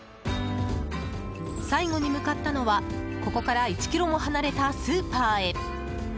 最後に向かったのはここから１ｋｍも離れたスーパーへ。